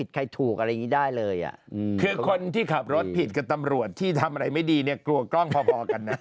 คือคนที่ขับรถผิดกับตำรวจที่ทำอะไรไม่ดีเนี่ยกลัวกล้องพอกันนะ